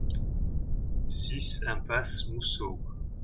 six impasse Mousseau